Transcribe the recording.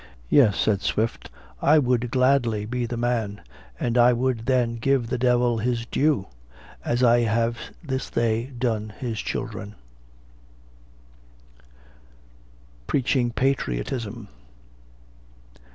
"Yes," said Swift, "I would gladly be the man, and I would then give the devil his due, as I have this day done his children." PREACHING PATRIOTISM.